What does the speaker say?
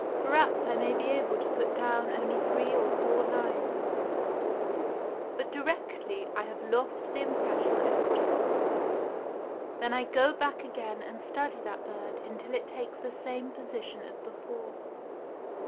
Perhaps I may be able to put down only three or four lines; but directly I have lost the impres sion I stop. Then I go back again and study that bird until it takes the same position as before.